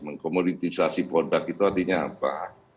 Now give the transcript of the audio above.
mengkomoditisasi produk itu artinya apa